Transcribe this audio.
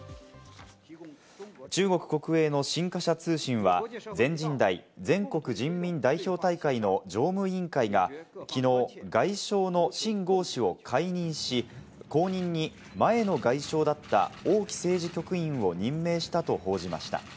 中国国営の新華社通信は、全人代＝全国人民代表大会の常務委員会がきのう外相のシン・ゴウ氏を解任し、後任に前の外相だったオウ・キ政治局員を任命したと報じました。